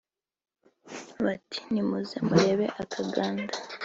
bati “Nimuze murebe akaganda